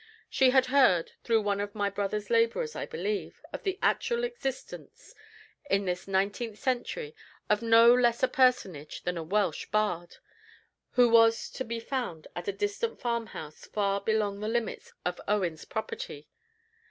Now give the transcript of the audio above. She had heard through one of my brother's laborers, I believe of the actual existence, in this nineteenth century, of no less a personage than a Welsh Bard, who was to be found at a distant farmhouse far beyond the limits of Owen's property.